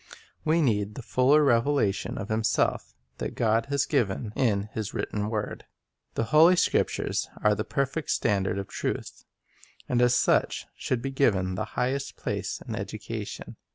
We need the fuller revelation of Himself that God has given in His written word. The Holy Scriptures are the perfect standard of truth, and as such should be given the highest place in education.